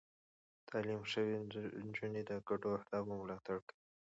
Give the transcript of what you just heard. تعليم شوې نجونې د ګډو اهدافو ملاتړ کوي.